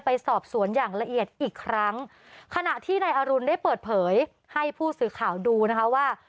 ไปสอบสวนอย่างละเอียดอีกครั้งขณะที่นายอรุณได้เปิดเผยให้ผู้สื่อข่าวดูนะคะว่า